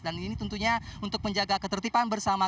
dan ini tentunya untuk menjaga ketertiban bersama